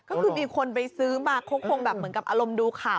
ก็คือมีคนไปซื้อมาเขาคงแบบเหมือนกับอารมณ์ดูข่าว